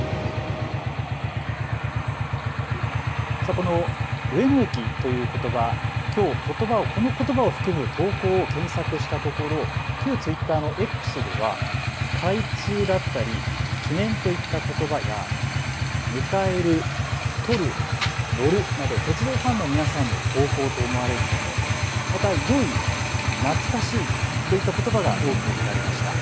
この上野駅ということば、きょうこのことばを含む投稿を検索したところ、旧ツイッターのＸでは開通だったり記念といったことばや迎える、撮る、乗るなど鉄道ファンの皆さんの投稿と思われるもの、また良い、懐かしいといったことばが多く見られました。